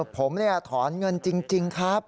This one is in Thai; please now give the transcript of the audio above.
ผมถอนเงินจริงครับ